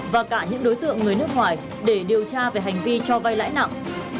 và cả những đối tượng người nước ngoài để điều tra về hành vi cho vay lãi nặng